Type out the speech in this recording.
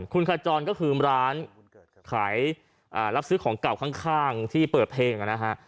คุณขจรก็คือร้านขายรับซื้อของเก่าข้างที่เปิดเพลงนะฮะ